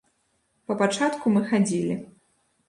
Па пачатку мы хадзілі.